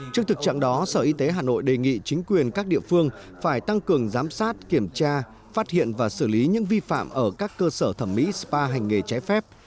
cơ sở y tế hà nội đề nghị chính quyền các địa phương phải tăng cường giám sát kiểm tra phát hiện và xử lý những vi phạm ở các cơ sở thẩm mỹ spa hành nghề ché phép